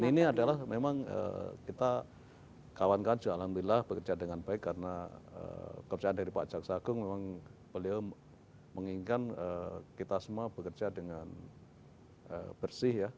ini adalah memang kita kawan kawan juga alhamdulillah bekerja dengan baik karena kerjaan dari pak jaksa agung memang beliau menginginkan kita semua bekerja dengan bersih ya